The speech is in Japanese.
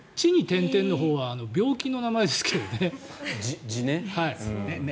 ぢのほうは病気の名前ですけどね。